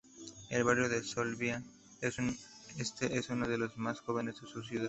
El barrio de Soliva Este es uno de los más jóvenes de la ciudad.